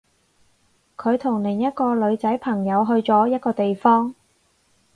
佢同另一個女仔朋友去咗一個地方